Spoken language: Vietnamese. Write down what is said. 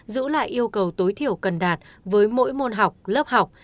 giữ lại yêu cầu tối thiểu cần đạt với mỗi môn học lớp học